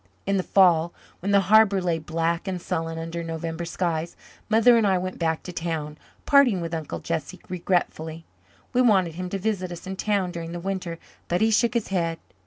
In the fall, when the harbour lay black and sullen under November skies, Mother and I went back to town, parting with Uncle Jesse regretfully. We wanted him to visit us in town during the winter but he shook his head.